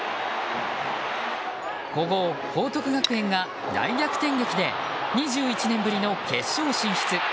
古豪・報徳学園が大逆転劇で２１年ぶりの決勝進出。